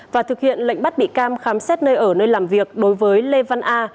và thực hiện lệnh bắt bị can khám xét nơi ở nơi làm việc đối với lê văn a